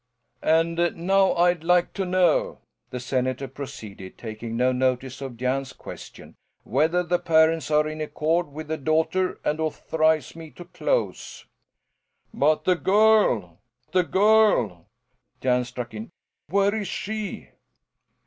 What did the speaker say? "And now I'd like to know," the senator proceeded, taking no notice of Jan's question, "whether the parents are in accord with the daughter and authorize me to close " "But the girl, the girl?" Jan struck in. "Where is she?"